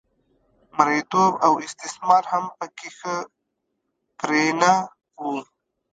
مریتوب او استثمار هم په کې ښه پرېنه و